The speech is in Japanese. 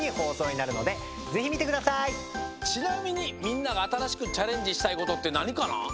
ちなみにみんながあたらしくチャレンジしたいことってなにかな？